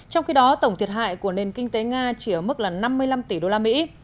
trong khi đó tổng thiệt hại của nền kinh tế nga chỉ ở mức là năm mươi năm tỷ đô la mỹ